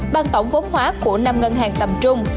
bằng tổng vốn hóa của năm ngân hàng tầm trung